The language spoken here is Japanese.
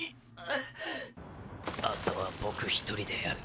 あとは僕１人でやる。